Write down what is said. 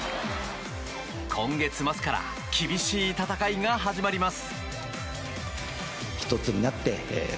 今月末から厳しい戦いが始まります。